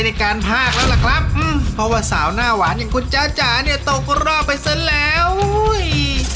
เอากลับบ้านไปเลย